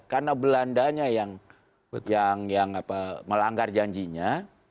karena belandanya yang melanggar janjinya